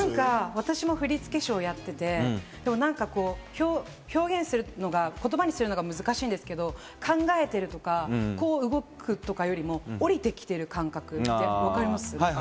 私も振付師をやっていて、でも何か表現するのが言葉にするのが難しいんですけど、考えてるとか、こう動くとかいうよりも降りてきてる感覚ってわかります？